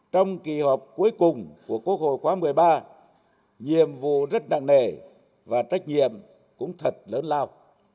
trong kỳ họp cuối cùng của quốc hội khóa một mươi ba nhiệm vụ rất nặng nề và trách nhiệm cũng thật lớn lao